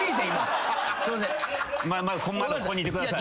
ここにいてください。